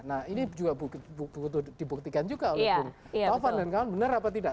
nah ini juga dibuktikan juga oleh bung tovan dan kawan benar apa tidak